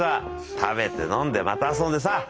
食べて飲んでまた遊んでさ。